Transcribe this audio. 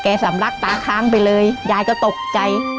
สำลักตาค้างไปเลยยายก็ตกใจ